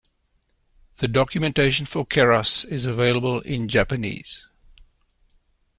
The documentation for Keras is available in Japanese.